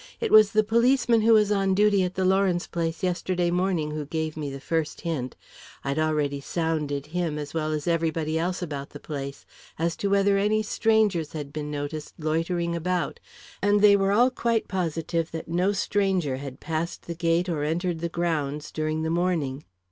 "It was the policeman who was on duty at the Lawrence place yesterday morning who gave me the first hint. I'd already sounded him, as well as everybody else about the place, as to whether any strangers had been noticed loitering about, and they were all quite positive that no stranger had passed the gate or entered the grounds during the morning.